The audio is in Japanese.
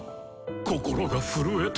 心が震えて。